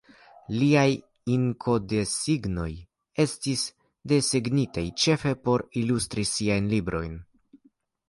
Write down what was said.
Liaj inkodesegnoj estis desegnita ĉefe por ilustri siajn librojn.